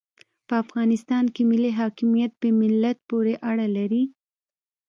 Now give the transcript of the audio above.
په افغانستان کې ملي حاکمیت په ملت پوري اړه لري.